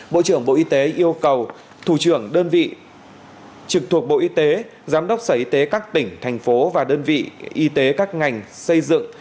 bộ trưởng bộ y tế yêu cầu thủ trưởng đơn vị trực thuộc bộ y tế giám đốc sở y tế các tỉnh thành phố và đơn vị y tế các ngành xây dựng